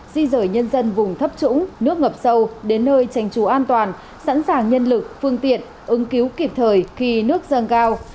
di rời nhân dân vùng thấp trũng nước ngập sâu đến nơi tránh trú an toàn sẵn sàng nhân lực phương tiện ứng cứu kịp thời khi nước dâng cao